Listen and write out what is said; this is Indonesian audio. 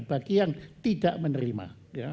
bagi yang tidak menerima